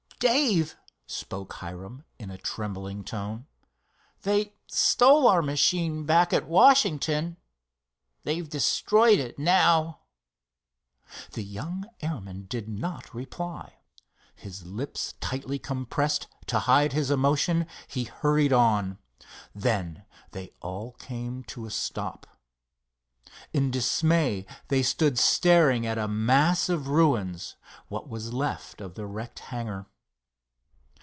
"Dave," spoke Hiram, in a trembling tone, "they stole our machine back at Washington. They've destroyed it, now!" The young airman did not reply. His lips tightly compressed to hide his emotion, he hurried on. Then they all came to a stop. In dismay they stood staring at a mass of ruins—what was left of the wrecked hangar.